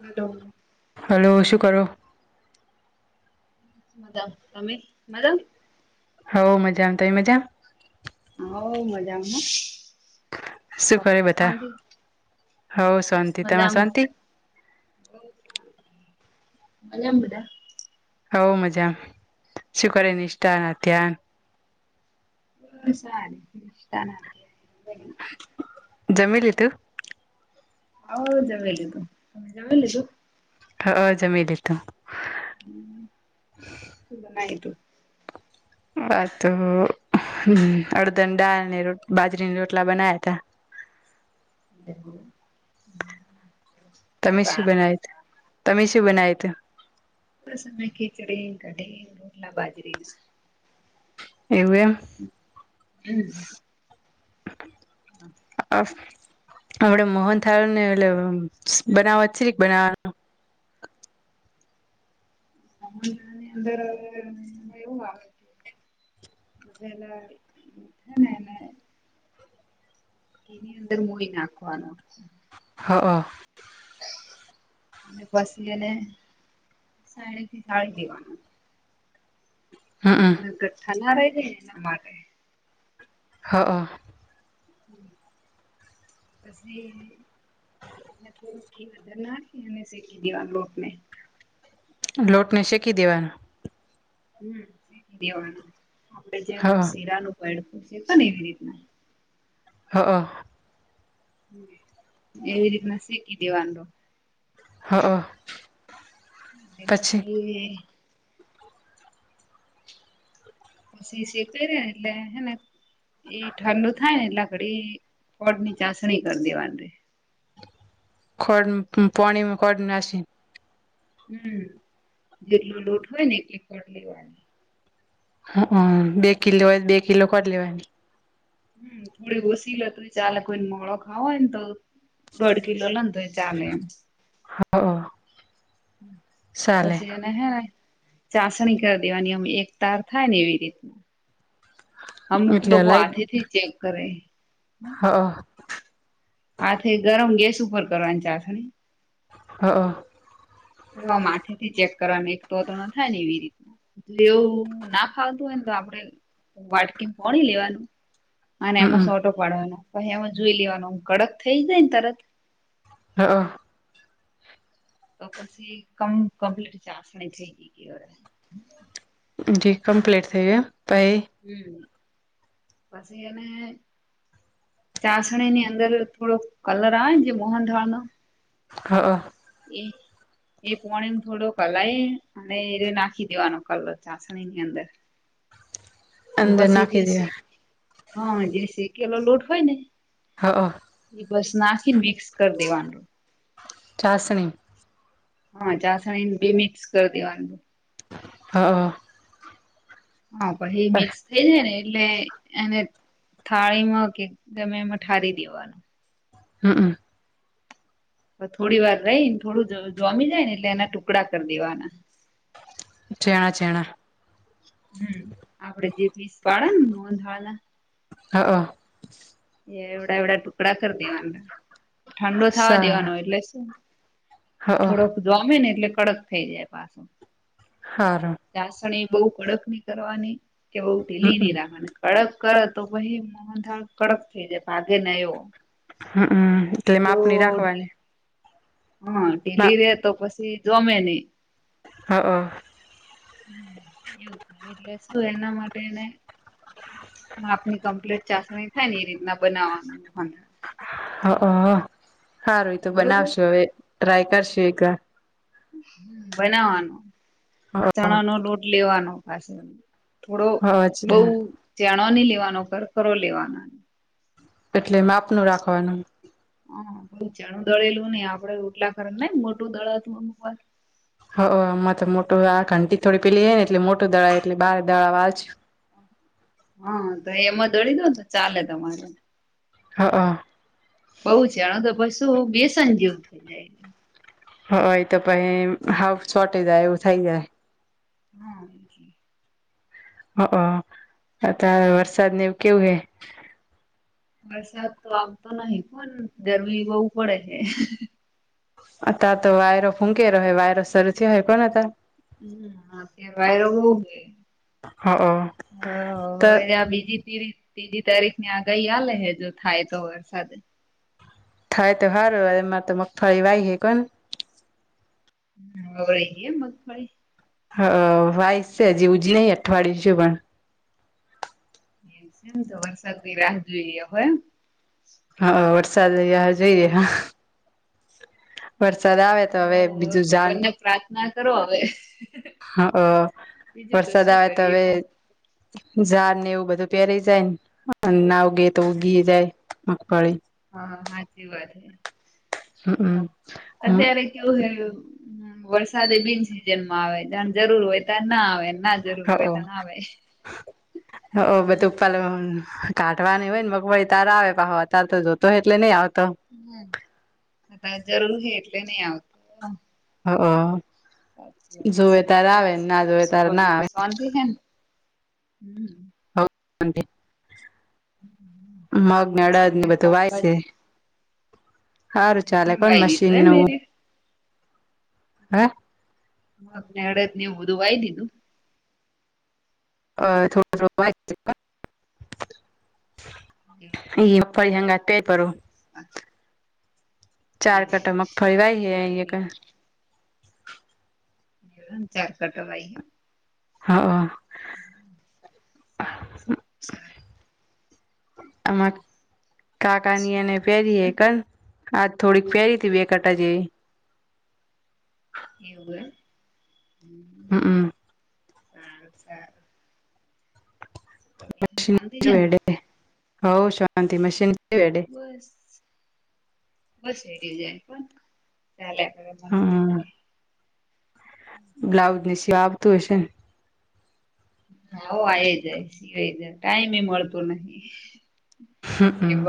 હાલો hello શું કરો બધા તમે મજા મા? હોવ મજામા તમેં મજા હવ મજામાં હો શું કરે બધા શાંતિ હઉ શાંતિ તમાર શાંતિ મજા મ બધા? હવ મજા શું કરે નિષ્ઠા ના ધ્યાન હ સ [unintelligible] જમી લીધું હવ લીધું તમે જવે લીધું હ અ જમી લીધું હ સુધ ન તું હા તો હ અડદાની દાળ ને બાજરીની રોટલા બનાયા તા હ હ તમી શી બનાયુતુ તમી શી બનાયુતુ બસ અમે ખીચડી કઢી રોટલા બાજરી એવું એમ, હમ [unintelligible] આપડ મોહન થારને એટલે બનાવ છે, બનાવાનું [inaudible] બેલા મ થા ન ન એની અંદર મૂઈ નાખવાનો, હં અને પછી એને સાડી થી સાળી દેવાનું, હ હમ અને ગઠ્ઠા ના રહે છેને એના માટે હા હ પછી એ થોડુંક ઘી વધર નાખી અને શેકી દેવા લોટને લોટને શેકી દેવાનો હમ્મ સેકી દેવાનું આપડે હ જેમ શીરાનું, છે, પણ એવી રીતના હ હ એવી રીતના શીખી દેવાડો હ હ હ બસ પછી એ સીશી પેરણ એટલે હેને એ ઠંડુ થાય ને એટલા ઘડી ફળની ચાસણી કરી દેવાની ખડ પાણીમાં ખડ નાસી હમ્મ જેટલો લોટ હોય ને એકપ લેવાની હ બે કિ લેવાય બે કિલો કર લેવાય હમ્મ થોડી ઓસીીલો ત ચાલે કોઈને મોડો ખાવોહોયને તો દોડ કિલો લને તો ચાલે એમ હ ચાલે પછી એને હે ચાસણી કરી દેવાની અમ એક તાર થાય ને એવી રીતના અમુક એટલે લોકો લઈ આથી થી ચેક કરે હ હાથે ગરમ ગેસ ઉપર કરવાની ચાસણી હા હ માથે થી ચેક કરવાનું એક તો તો ન થાય ને એવી રીત એવું ના ખાવતું હોય ને તો આપડે વાટકી પોણી લેવાનું અને એમાં હમમ સોટો પાડવાનો પછી એમાં જોઈ લેવાનોમ કડક થઇ જાય ને તરત હા તો પછી કમ કમ્પ્લીટ ચાસણી થઈ ગઈ ગઈ જી કમ્પ્લેટ થ ગયા હમ્મ પછી એને ચાસણીની અંદર થોડો કલર આવે ને જે મોહનથાળ નો હા એ એ પોણીને થોડો કલાઈ અને એને નાખી દેવાનો કલર ચાસણીની અંદર અન અંદર પછી નાખી જઈ દે શ હા જે શેકેલો લોટ હોય ને હા એ બસ નાખીને મિક્સ કરી દેવાનો ચાસણી હા ચાસણીને બે મિક્સ કરી દેવાનું હા હ હા પહી મિક્સ થઈ જાય ને લેય એને થાળીમાં કે ગમે એમાં ઠારી દેવાનું હમ્મ થોડી વાર રહીને થોડું જોમી જાય ને એટલે એના ટુકડા કરી દેવાના ચેણા ચેણા હમ આપડે જે પીસ પાડે ને મોંધાલા હઅ એ એવડા એવડા ટુકડા કરી દેવાના ઠંડો થવા દેવાનો સારા એટલે શું હ થોડોક જોમે ને એટલે કડક થઈ જાય પાછું હારું ચાસણી બહુ કડક ની કરવાની કે બઉ ઢીલી ની હમમ રાખવાની કડક કરે તો પહી મોસનથાળ કડક થઈ જાય ભાગે ન એવો હમમ તે જો માપને રાખવાની હા હ ઢીલી રે તો પછી જોમે ની હઅ હમ એવું થ એટલે શું એના માટેને આપની કમ્પ્લીટ ચાસણી થાય ને એ રીતના બનાવાનું હમ હઅ હારું એ તો બરોબર બનાવશો હવે ટ્રાય કરશું એક વાર બનાવાનો ચણા નો હ લોટ લેવાનો પાસે થોડો બઉ જેણો ની લેવાનો ખરખરો લેવાના એટલે માપનું રાખવાનું હા બહ ચણું દળેલું ને આપડે રટલા ખર મોટું દળે હતું અમુક વાર હ આમાં તો મોટું આ ઘંટી થોડી પેલી ને એટલે મોટું દળાવ એટલે બાર દળા વાજ હા તો એમાં દડી દો તો ચાલે તમારે હઅ બઉ છે એણ તો પશું બેસન જેવું થઈ જાય હ એ તો પહી હાઉ શોટે જાય એવું થઈ જાય હા એ જે હઅ આતો વરસાદ ને એવું કેવું હે વરસાદ તો આમતો નહી પણ ગરમી બહુ પડે છે અત્યારે તો વાયરો ફૂંકેલો હોય વાયરો શરૂ થયો હે પણ હતા હમ અ કે વાયરો બઉ હે હ તો હવે ત્યાં બીજી ત્રીજી તારીખની આગહી હાલે હે જો થાય તો વરસાદ થાય તો હારૂ એમાં તો મગફળી વાઈ હ કન હોય કે મગફળી હ વાઈ છે હજી ઉજ નઈ અઠવાડિયું છે પણ એમ તો વરસાદની રાહ જોઈ હોય એમ હા વરસાદ રાહ જોઈ રહ્યા હઅ હવે બીજું ભગવાન ને પ્રાર્થના કરો હવે હઅ બીજું તો વરસાદ શું આવે તો કરીએ વે કો ઝા ને એવું બધું પેરી જાય ન નાવ ગે તો હમ ઉગીય જાય મગફળી હા સાચી વાત હે હમ હમ અત્યારે કેવું થયું વરસાદ એ બિનસિઝન માં આવે જયાર જરૂર હોય ત્યાર ના આવે. ના જરૂર હોય ત્યાં આવે અહહઅ-અહહઅ હમ બધું [unintelligible] કાઢવા ને હોય ને વગવઈ તારા આવે પાહો અતાર તો જોતો હોય એટલે નય આવ હમ્મ. અતારે જરૂર હે એટલે નહી આવતો. અહહઅ. ના જોવે શુ તાર ના બીજું શાંતી હેને? હમ્મ. [unintelligible] મગને કેવું અડદ ને ચાલે બધું વાય સી. પંકજ હારું ચાલે એમ પણ વાઈ દીધું મશીન એમ નું એ હે મગને અડદ ને એવું બધું વાય દીધું? [inaudible] એવું છે [unintelligible] ચાર એવું, કટા મગફળી વાય સારું-સારું. હે [unintelligible] હા, હા. સારું [unintelligible] આમાં કાકાની સારું એને પહેરીએ કર આજ થોડીક પહેરી તી બે કટા જેવી. એવું એમ. હમ્મ-હમ્મ. સારુ-સારુ. શાંતિ છેન? હોવ શાંતિ. મશીન વેડે બસ-બસ એ રિઝન પણ હમ [inaudible] બ્લાઉઝ ની [unintelligible] આવતું હશે. હોવ આ જાએ સિવાય જાય ટાઈમ એ મળતો નથી. હમ્મ.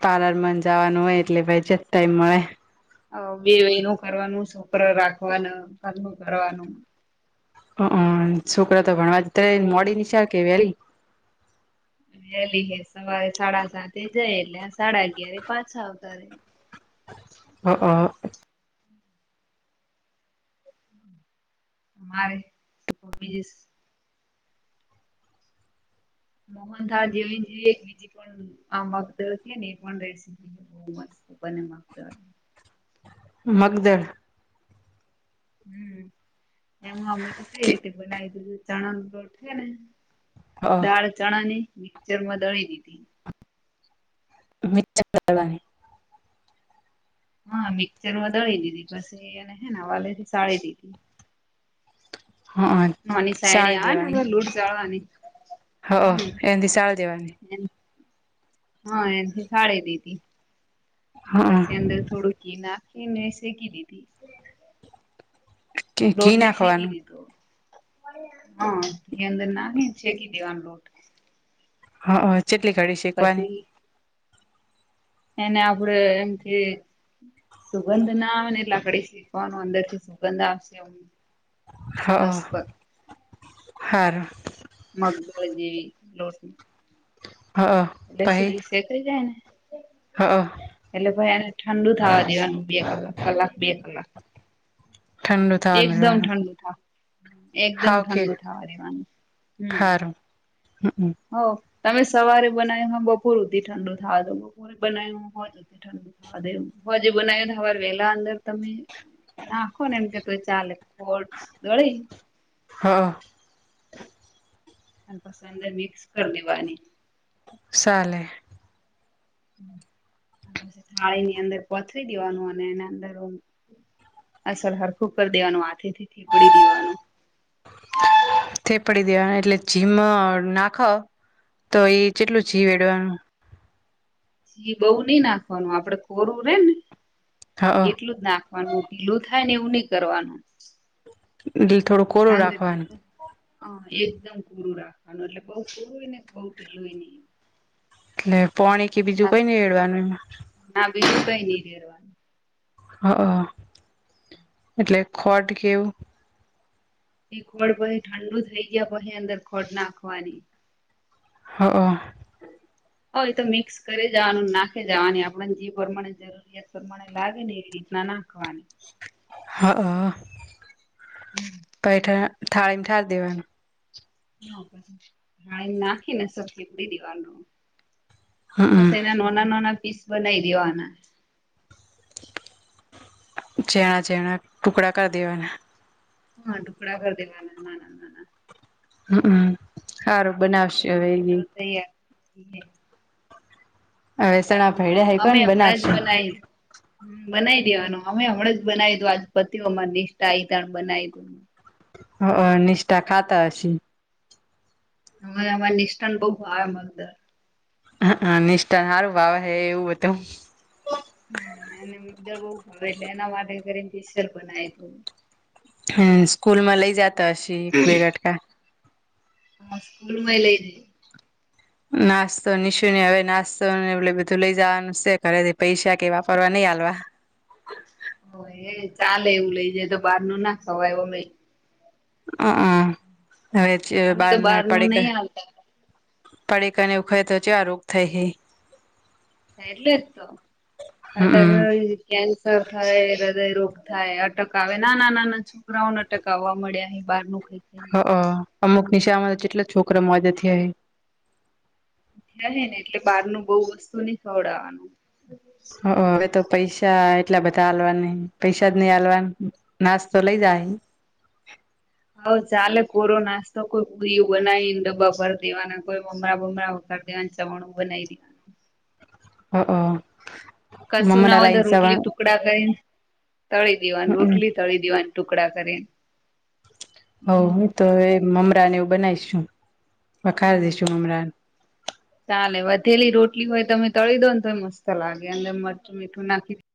તારા જ મન જાવાનું હોય એટલે ભાઈ ચેત ટાઈમ મળે. અવ બેઓ નું કરવાનું, સોકરા રાખવાના, કર્મ કરવાનું અહહં, સોકરા તો ભણવા તે બઉ મોડી નિશાળ કે વેલી? વેલી હે, સવારે સાડા સાતે જાય એટલે આ સાડા અગિયાર પાછા આવતા રે. અહહં. મારે [unintelligible] મોહન થાળ જેવી [unintelligible] બીજી પણ [unintelligible] [unintelligible] મગદળ હમ્મ. એમાં અમે તો કઈ રીતે બનાવી દીધું ચણાનો લોટ છે ને? દાળ ચણા ની મિક્ચરમાં દળી દીધી [inaudible] હા મિક્ચરમાં દળી દીધી, પછી એને હે ને વાલેથી સાળી દીધી. નાની સાઈડે આવે ને [unintelligible] હમ્મ. અહં એન થી શાડી દેવાની? એમ હા એનથી સાળી દીધી. હ પછી અંદર થોડુંક ઘી નાખ ખી ને શેકી દીધી. ઘી લોટને શેકી નાખવાનું દીધો. હા એ અંદર નાખી શેકી દેવાનો લોટ. અહં ચેટલી ઘડી શેકવાની? પછી એને આપડે એમ કે સુગંધ ના આવે ને એટલે [unintelligible] ઈ શીકવાનું અંદર થી સુગંધ આવશે એવું. હ હારુ મગદળ [inaudible] હા લે પહી સુરી શે તે જાય ને હા એટલે ભાઈ આને ઠંડુ થવા દેવાનું બે કલાક કલાક બે કલાક ઠંડુ થાવા એકદમ મેળવાનું ઠંડુ થાવ એકદમ ઠંડુ થવા દેવાનું હમ હારું હમ હ. તમે સવારે બનાવ હો બપોર હુધી ઠંડુ થવા દો બપોરે બનાય્યું હોય ઠંડુ થવા દે હજ [unintelligible] વેલા અંદર તમે નાખો ને એમ કેતોય ચાલે ખોટ દળી હ. અને પસંદ અંદર મિક્સ કર દેવાની સાલે. હમ્મ. આ પાછે થાળીની અંદર પથરી દેવાનું અને એના અંદર અસલ હરફું કરી દેવાનું હાથે થી થીપડી દેવાનું થેપડી દેવા એટલે જીમ નાખ તો એ ચેટલું જીવેડવાનું જી બોવ ની નાખવાનું આપડે કોરું રે ને હ એટલું જ નાખવાનું ઢીલું થાય ને એવું ની કરવાનું દિલ થોડું કોરુ રાખવાનું હા એકદમ પૂરું રાખવાનું એટલે બોવ પૂરુંય ને બોવ ઢેલુંય ની એટલે પોણી કે બીજું કઈ ની રેડવાનું એમાં ના બીજું કઈ ની રેળવાનું હ એટલે ખોટ કેવું એ ખોડ પહી ઠંડુ થઈ ગય હ. હ એ તો મિક્સ કરે જાવાનું નાખે જાવાની આપણને જી પ્રમાણે જરૂરિયાત પ્રમાણે લાગે ને એ રીતના ના નાખવાની હા પૈઠ થાળી થાળ દેવાનું હા પછી નાખીને સરખી કરી દેવાનું બસ હમ એના નાોના નાના પીસ બનાય દેવાના ચેણા ચેણા ટુકડા કર દેવાના હા ટુકડા કર દેવાના નાના નાના [unintelligible] હારું બનાવશે પછી હવે એ મોગદળ [inaudible] અવેેસણા ભેઈડા હે કો બનાવશુ હમ બનાવી દેવાનું અમે હમણા જ બનાવીધું આજ પતિ ઓમાં નિષ્ઠા [unintelligible] બનાયવુ હ નિષ્ઠા ખાતા હશી અમે અમા નિષ્ઠાન બો ભાવ મગદર હા હા નિષ્ઠા હારું ભાવે એવું બધુ હમ એને મદર બો ભાવૂ એટલે એના માટે કરી પિસલ બનાયતું હમ્મ સ્કૂલમાં લઈ જાતા હસી બેગટકા હ સ્કૂલમાંય લે જય નાસ્તો નિશુંને હવે નાસ્તો ને એટલે બધું લેઈ જવાનું છે, ઘરેથી પૈસા કે વાપરવા નઈ હાલવા. હો એ ચાલે એવું લઈ જાય તો બાર નું ના ખવાઈ ઓમેય અ અ હવે છે, અમે તો બહાર બારના નું નહી પડીકા હાલતા પડીકાને એવું ખાય તો ચેવા રોગ થાય હે એટલે જ તો અતાર હમ [inaudible] થાય હૃદય રોગ થાય અટક આવે નાના નાના છોકરાઓને અટક આવવા મળ્યા અહી બાર નું ખાઈને હ તો અ અમુક નિશામાં જેટલા છોકરા માંદા થયા હે. ને હેને એટલે બહારનું બહુ વસ્તુ નહ ખવડાવવાનું. હ હવે તો પૈસા એટલા બધા આલવાના નહીં, પૈસા જ નહી આલવા. નાસ્તો લઈ જાય. હવે ચાલે કોરો નાસ્તો કોઈ પુરું બનાવીને ડબ્બા ભર દેવાના કોઈ મમરા બમરા વગર દેવાના ચવાણું બનાઈ રહી. હ હ. કશું ના મમરા હોય તો લાઈન રોટલી સવણ ટુકડા કઈ તળી દેવાની હમ રોટલી તળી દેવાની ટુકડા કરીન હ તો હ મમરા ને એવું બનાવીશું વખાર હમ દઈશું મમરા ચાલે વધેલી રોટી. હોય તમે તળી દો ને તો એ મત લાગે અને મરચું મીઠું નાખી.